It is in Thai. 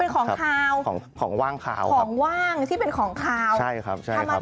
ข้างบัวแห่งสันยินดีต้อนรับทุกท่านนะครับ